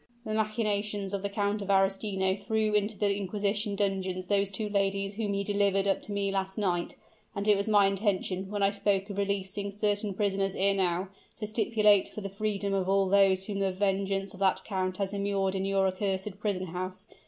"The machinations of the Count of Arestino threw into the inquisition dungeons those two ladies whom ye delivered up to me last night; and it was my intention, when I spoke of releasing certain prisoners ere now, to stipulate for the freedom of all those whom the vengeance of that count has immured in your accursed prison house.